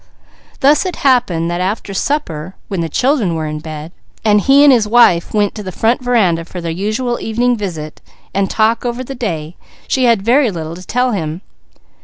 Thus it happened that after supper, when the children were in bed, and he and his wife went to the front veranda for their usual evening visit, and talk over the day, she had very little to tell him.